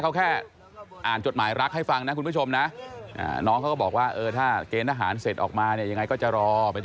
เขาแค่อ่านจดหมายรักให้ฟังนะคุณผู้ชมนะ